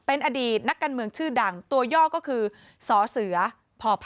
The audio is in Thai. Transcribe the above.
เป็นอดีตนักการเมืองชื่อดังตัวย่อก็คือสเสือพพ